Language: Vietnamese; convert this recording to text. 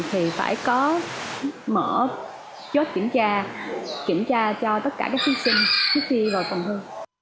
thì phải có mở chốt kiểm tra kiểm tra cho tất cả các thí sinh trước khi vào phòng thi